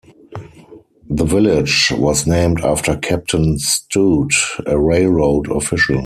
The village was named after Captain Stout, a railroad official.